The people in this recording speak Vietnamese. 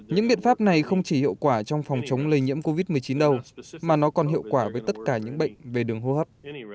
những biện pháp này không chỉ hiệu quả trong phòng chống lây nhiễm covid một mươi chín đâu mà nó còn hiệu quả với tất cả những bệnh về đường hô hấp